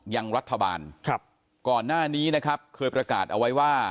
ยังรัฐบาลครับก่อนหน้านี้นะครับเคยประกาศเอาไว้ว่า